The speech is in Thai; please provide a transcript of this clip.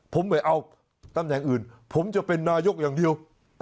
ผมไปเอาตำแหน่งอื่นผมจะเป็นนายกอย่างเดียว